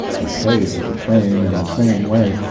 We played with the train in the same way.